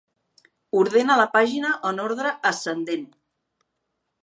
Ordena la pàgina en ordre ascendent.